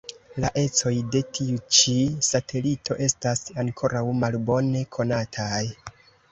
La ecoj de tiu-ĉi satelito estas ankoraŭ malbone konataj.